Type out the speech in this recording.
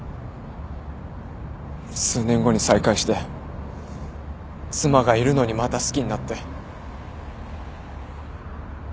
数年後に再会して妻がいるのにまた好きになって。